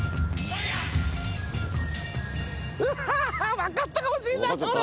わかったかもしれないこれ。